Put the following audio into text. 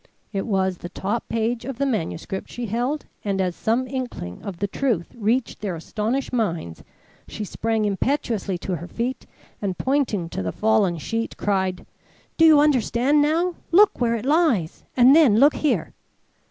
It was the top page of the manuscript she held, and as some inkling of the truth reached their astonished minds, she sprang impetuously to her feet and, pointing to the fallen sheet, cried: "Do you understand now? Look where it lies, and then look here!"